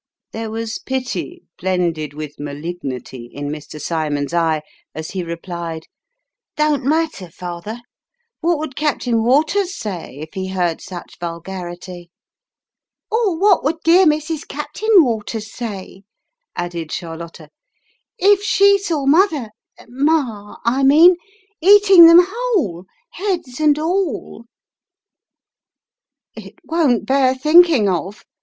There was pity, blended with malignity, in Mr. Cymon's eye, as he replied, " Don't matter, father ! What would Captain Waters say, if he heard such vulgarity ?"" Or what would dear Mrs. Captain W T aters say," added Charlotta, "if she saw mother ma, I mean eating them whole, heads and all?" " It won't bear thinking of!